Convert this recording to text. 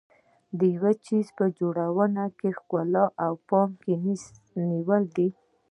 د یو څیز په جوړونه کې ښکلا په پام کې نیولې ده.